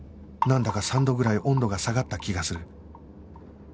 なんだか３度ぐらい温度が下がった気がする